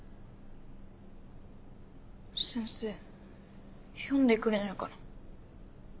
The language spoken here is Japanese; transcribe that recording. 先生読んでくれないかな？